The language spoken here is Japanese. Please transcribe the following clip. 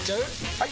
・はい！